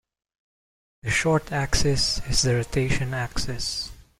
The short axis is the rotation axis.